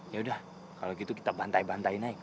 yaudah kalau gitu kita bantai bantai naik